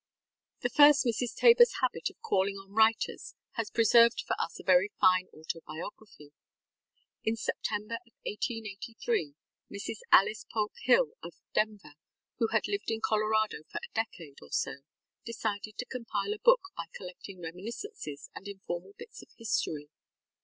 The first Mrs. TaborŌĆÖs habit of calling on writers has preserved for us a very fine autobiography. In September of 1883 Mrs. Alice Polk Hill of Denver, who had lived in Colorado for a decade or so, decided to compile a book by collecting reminiscences and informal bits of history.